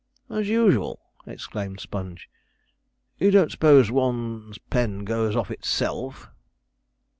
'As usual!' exclaimed Sponge, 'you don't s'pose one's pen goes of itself.'